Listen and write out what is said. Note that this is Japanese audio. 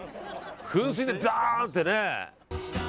噴水でダーンってね。